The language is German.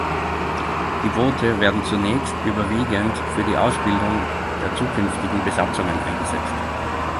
Die Boote werden zunächst überwiegend für die Ausbildung der zukünftigen Besatzungen eingesetzt.